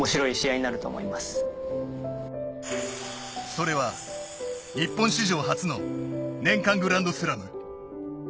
それは、日本史上初の年間グランドスラム。